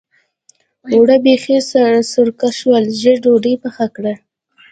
اوړه بېخي سرکه شول؛ ژر ډودۍ پخه کړه.